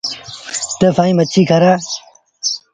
تا سائيٚݩ مڇي کآرآئو۔